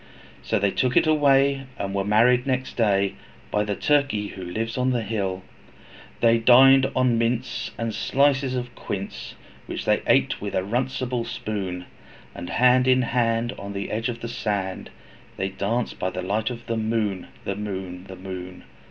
So they took it away, and were married next day, By the Turkey who lives on the hill. They dined on mince, and slices of quince, Which they ate with a runcible spoon; And hand in hand, on the edge of the sand, They danced by the light of the moon, The moon, The moon!